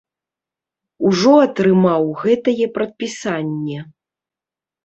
Ужо атрымаў гэтае прадпісанне.